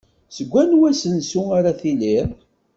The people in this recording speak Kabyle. Deg anwa asensu ara tittiliḍ?